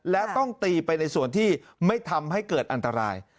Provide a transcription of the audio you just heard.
และต้องตีไปในส่วนที่ไม่ทำให้เกิดอันตราย